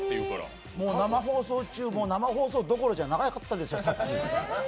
生放送中、生放送どころじゃなかったですよ、さっき。